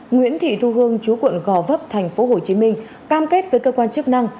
nguyễn thị thu hương chú quận gò vấp tp hcm cam kết với cơ quan chức năng